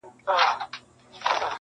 مگر سر ستړی په سودا مات کړي,